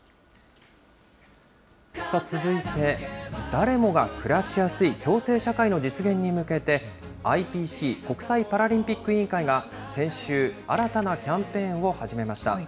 さあ、続いて、誰もが暮らしやすい共生社会の実現に向けて、ＩＰＣ・国際パラリンピック委員会が先週、新たなキャンペーンを始めました。